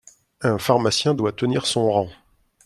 … un pharmacien doit tenir son rang …